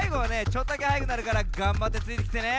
ちょっとだけはやくなるからがんばってついてきてね。